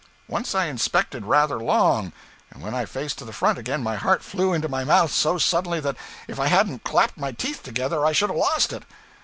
Once I inspected rather long, and when I faced to the front again my heart flew into my mouth so suddenly that if I hadn't clapped my teeth together I should have lost it.